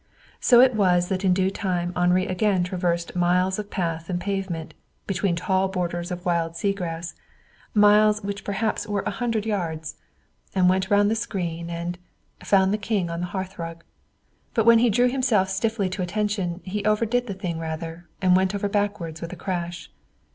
So it was that in due time Henri again traversed miles of path and pavement, between tall borders of wild sea grass, miles which perhaps were a hundred yards. And went round the screen, and found the King on the hearthrug. But when he drew himself stiffly to attention he overdid the thing rather and went over backward with a crash.